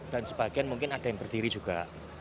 dan sebagian mungkin ada yang berdiri juga